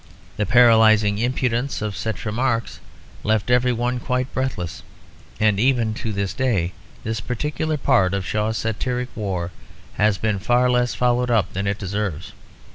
The paralysing impudence of such remarks left everyone quite breathless; and even to this day this particular part of Shaw's satiric war has been far less followed up than it deserves.